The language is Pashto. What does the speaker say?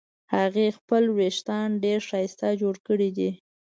هغې خپل وېښته ډېر ښایسته جوړ کړې دي